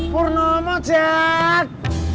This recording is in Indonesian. purno mau jad